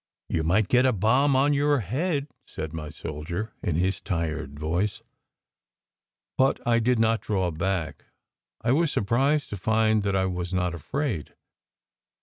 "You might get a bomb on your head," said my soldier, SECRET HISTORY 217 in his tired voice. But I did not draw back. I was surprised to find that I was not afraid.